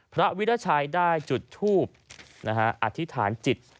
วิราชัยได้จุดทูบอธิษฐานจิต